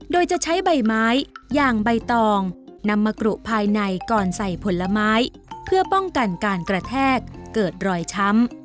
โดยจะใช้ใบไม้อย่างใบตองนำมากรุภายในก่อนใส่ผลไม้เพื่อป้องกันการกระแทกเกิดรอยช้ำ